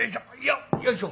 よいしょ！